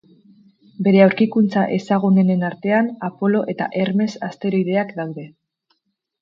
Bere aurkikuntza ezagunenen artean Apolo eta Hermes asteroideak daude.